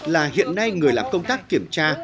là hiện nay người làm công tác kiểm tra